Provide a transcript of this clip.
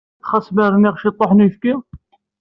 Xas ma rniɣ ciṭṭaḥ n uyefki?